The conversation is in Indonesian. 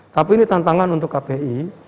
tapi ini tantangan untuk kpi